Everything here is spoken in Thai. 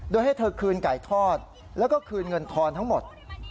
โดยให้เธอคืนไก่ทอดแล้วก็คืนเงินทอนทั้งหมด